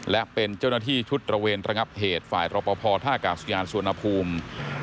และเป็นเจ้าหน้าที่ชุดตระเวนระงับเหตุฝ่ายรอปภท่ากาศยานสุวรรณภูมิ